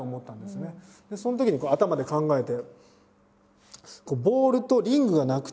そのときに頭で考えて。